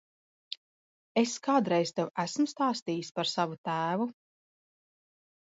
Es kādreiz tev esmu stāstījis par savu tēvu?